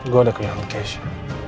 gue ada keinginan ke keisha